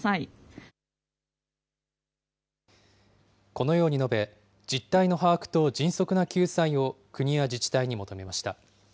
このように述べ、実態の把握と迅速な救済を国や自治体に求めました。